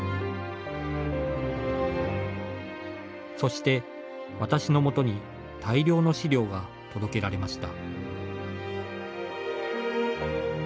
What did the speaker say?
そして、私の元に大量の資料が届けられました。